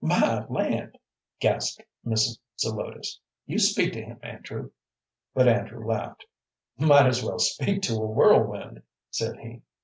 "My land!" gasped Mrs. Zelotes, "you speak to him, Andrew." But Andrew laughed. "Might as well speak to a whirlwind," said he.